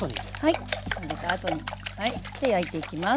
はい混ぜたあとに。で焼いていきます。